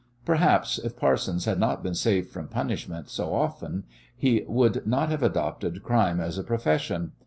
Perhaps if Parsons had not been saved from punishment so often he would not have adopted crime as a profession.